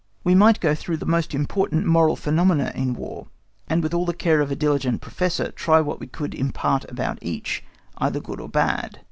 We might go through the most important moral phenomena in War, and with all the care of a diligent professor try what we could impart about each, either good or bad.